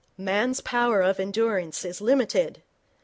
Man's power of endurance is limited.